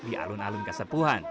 di alun alun kesepuan